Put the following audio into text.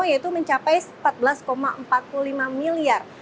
yaitu mencapai rp empat belas empat puluh lima miliar